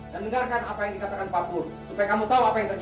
dan dengarkan apa yang dikatakan pak pur supaya kamu tahu apa yang terjadi